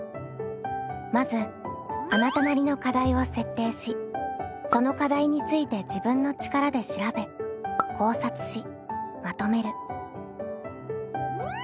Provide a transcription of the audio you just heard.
まずあなたなりの課題を設定しその課題について自分の力で調べ考察しまとめる。